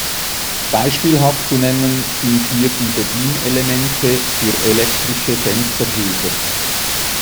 Beispielhaft zu nennen sind hier die Bedienelemente für elektrische Fensterheber.